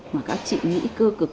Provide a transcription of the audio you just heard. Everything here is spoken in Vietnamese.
mà các chị nghĩ cơ cực